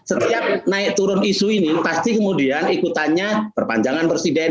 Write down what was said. setiap naik turun isu ini pasti kemudian ikutannya perpanjangan presiden